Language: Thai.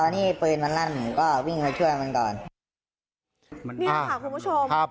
นี่ค่ะคุณผู้ชม